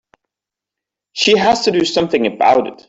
She has to do something about it.